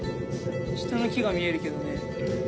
下の木が見えるけどね。